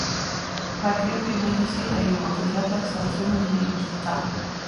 Wy knipperje middeis hiel even want de jetlag slacht sûnder genede ta.